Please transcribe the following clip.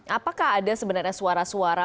apakah ada sebenarnya suara suara